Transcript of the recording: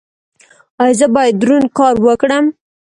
ایا زه باید دروند کار وکړم؟